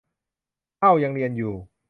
เอ้า ยังเรียนอยู่